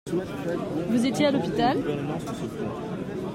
Vous étiez à l’hôpital ?